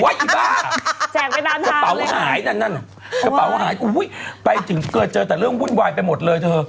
ไอ้บ้ากระเป๋าหายนั่นไปถึงเกิดเจอแต่เรื่องวุ่นวายไปหมดเลยเธอ